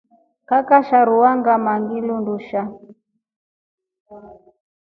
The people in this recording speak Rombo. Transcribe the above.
Kakasha rua ngamaa undusha.